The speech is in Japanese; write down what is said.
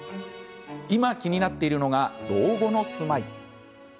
今、気になっているのが老後の住まい。